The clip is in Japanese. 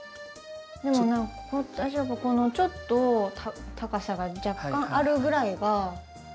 でも何か私やっぱこのちょっと高さが若干あるぐらいが好み。